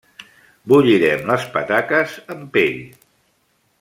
Bullirem les pataques amb pell.